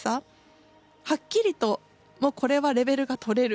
はっきりとこれはレベルが取れる。